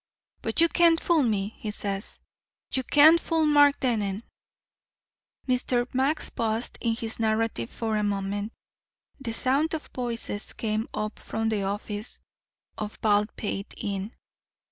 But you can't fool me,' he says, 'you can't fool Mark Dennen.'" Mr. Max paused in his narrative for a moment. The sound of voices came up from the office of Baldpate Inn.